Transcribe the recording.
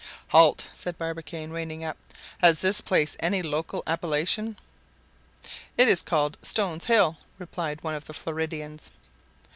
"Halt!" said Barbicane, reining up. "Has this place any local appellation?" "It is called Stones Hill," replied one of the Floridans.